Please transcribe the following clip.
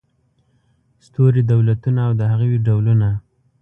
ستوري دولتونه او د هغوی ډولونه